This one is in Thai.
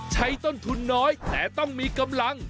ต้นทุนน้อยแต่ต้องมีกำลัง